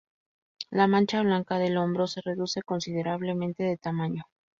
La mancha blanca del hombro se reduce considerablemente de tamaño.